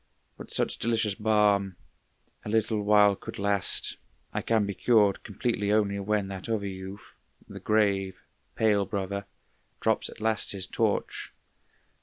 But such delicious balm A little while could last. I can be cured Completely only when that other youth, The grave, pale brother, drops at last his torch.